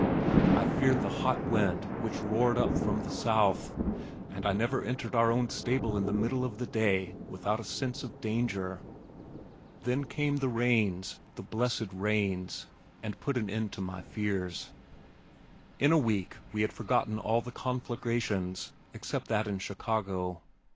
I feared the hot wind which roared up from the south, and I never entered our own stable in the middle of the day without a sense of danger. Then came the rains the blessed rains and put an end to my fears. In a week we had forgotten all the "conflagrations" except that in Chicago.